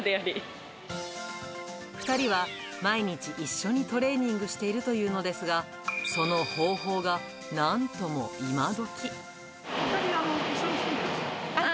２人は毎日、一緒にトレーニングしているというのですが、その方法が、お２人は一緒に住んでる？